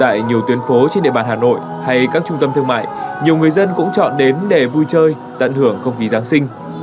tại nhiều tuyến phố trên địa bàn hà nội hay các trung tâm thương mại nhiều người dân cũng chọn đến để vui chơi tận hưởng không khí giáng sinh